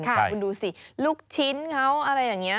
คุณดูสิลูกชิ้นเขาอะไรอย่างนี้